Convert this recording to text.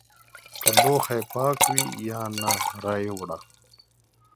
که لوښي پاک وي یا نه رایې وړه!